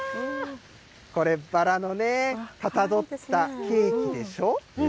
これ、バラのね、かたどったケーキでしょ。